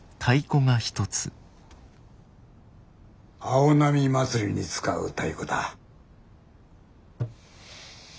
青波祭りに使う太鼓だ。